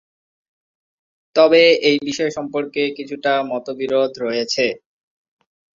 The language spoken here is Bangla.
তবে এই বিষয় সম্পর্কে কিছুটা মতবিরোধ রয়েছে।